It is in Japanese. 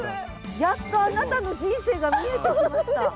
やっとあなたの人生が見えてきました。